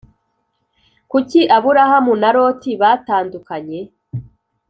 Kuki aburahamu na loti batandukanye